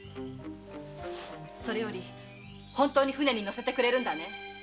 それより本当に船に乗せてくれるんだね？